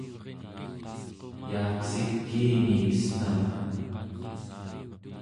yaaqsikiini cen̄am